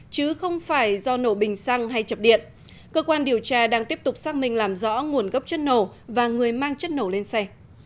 vòng hay chập điện cơ quan điều tra đang tiếp tục xác minh làm rõ nguồn gốc chất nổ và người mang chất nổ lên xe